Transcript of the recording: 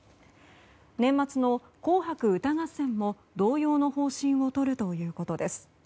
年末の「紅白歌合戦」も同様の方針を取るということです。